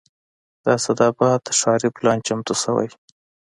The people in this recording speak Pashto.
د اسداباد ښاري پلان چمتو شوی